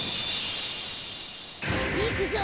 いくぞ！